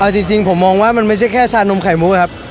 จริงผมมองว่ามันไม่ใช่แค่ชานมไข่มุกครับ